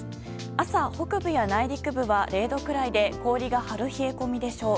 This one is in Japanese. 朝、北部や内陸部は０度くらいで氷が張る冷え込みでしょう。